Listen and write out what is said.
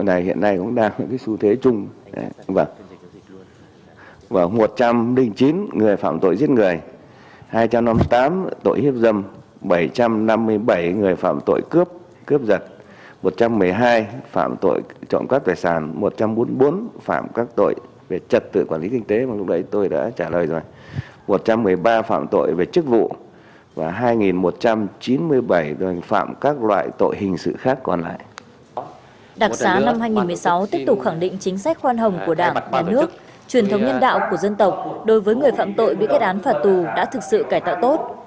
đặc xá năm hai nghìn một mươi sáu tiếp tục khẳng định chính sách khoan hồng của đảng nhà nước truyền thống nhân đạo của dân tộc đối với người phạm tội bị kết án phạt tù đã thực sự cải tạo tốt